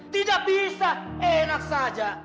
tidak bisa enak saja